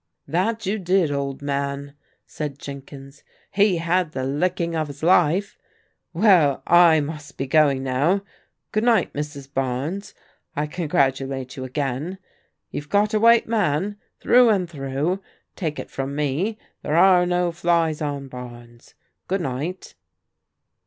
" That you did, old man," said Jenkins. " He had the licking of his life. Well, I must be going now. Good night, Mrs. Barnes. I congratulate you again. You've got a white man, through and through. Take it from me, there are no flies on Barnes. Good night."